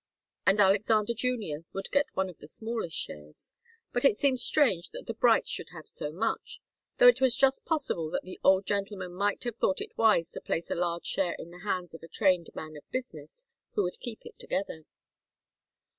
And Alexander Junior would get one of the smallest shares. But it seemed strange that the Brights should have so much, though it was just possible that the old gentleman might have thought it wise to place a large share in the hands of a trained man of business who would keep it together.